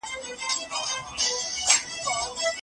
د سلطنت لغوه کېدل بحث کېدل.